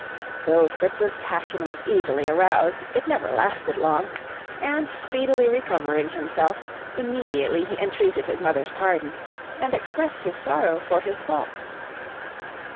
Though Fritz's passion was easily aroused, it never lasted long, and speedily recovering himself, immediately he entreated his mother's pardon, and expressed his sorrow for his fault.